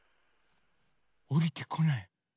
おりてこない。